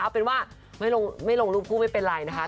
เอาเป็นว่าไม่ลงรูปคู่ไม่เป็นไรนะคะ